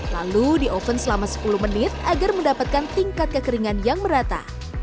lalu di oven selama sepuluh menit agar mendapatkan tingkat kekeringan yang merata